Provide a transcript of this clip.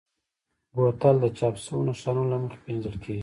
بوتل د چاپ شویو نښانونو له مخې پېژندل کېږي.